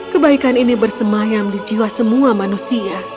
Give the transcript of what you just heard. kebaikan ini bersemayam di jiwa semua manusia